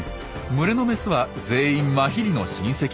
群れのメスは全員マヒリの親戚。